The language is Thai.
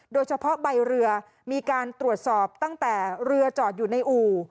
โดยเฉพาะใบเรือมีการตรวจสอบตั้งแต่เรือจอดอยู่ในอู่